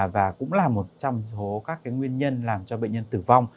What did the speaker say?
và cũng là một trong số các nguyên nhân làm cho bệnh nhân tử vong